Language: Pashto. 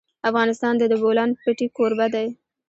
افغانستان د د بولان پټي کوربه دی.